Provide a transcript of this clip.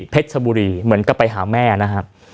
เพชรสบุรีเหมือนกับไปหาแม่นะฮะ